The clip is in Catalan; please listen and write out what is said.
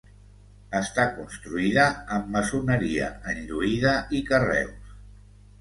Està construïda amb maçoneria enlluïda i carreus.